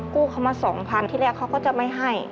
กู้เขามา๒๐๐ที่แรกเขาก็จะไม่ให้